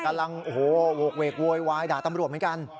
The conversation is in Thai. กำลังโอ้โหโหกเวกโวยวายด่าตำรวจเหมือนกัน